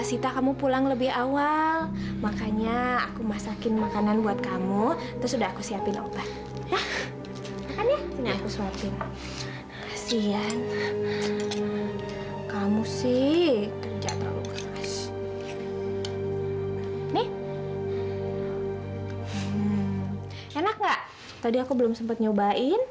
sampai jumpa di video selanjutnya